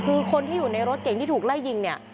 คือคนที่อยู่ในรถเก่งที่ถูกไล่ยิงเนี่ย